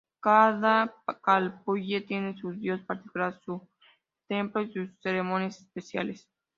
Cada calpulli tenía su dios particular, su templo y sus ceremonias especiales.